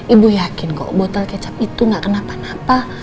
ibu yakin kok botol kecap itu gak kenapa napa